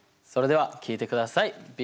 それでは聴いて下さい。